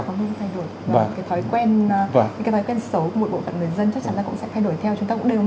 chắc chắn người ta sẽ thay đổi theo cái thói quen xấu của một bộ phận người dân chắc chắn là cũng sẽ thay đổi theo